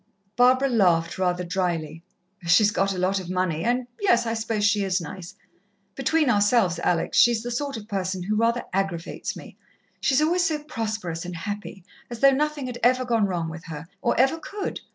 Barbara laughed rather drily. "She's got a lot of money, and yes, I suppose she is nice. Between ourselves, Alex, she's the sort of person who rather aggravates me. She's always so prosperous and happy, as though nothing had ever gone wrong with her, or ever could.